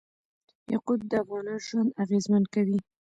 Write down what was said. یاقوت د افغانانو ژوند اغېزمن کوي.